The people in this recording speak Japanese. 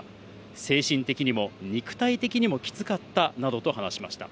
精神的にも肉体的にもきつかったなどと話しました。